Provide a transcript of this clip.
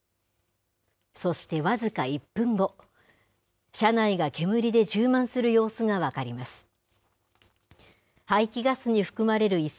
そして僅か１分後、車内が煙で充満する様子が分かります。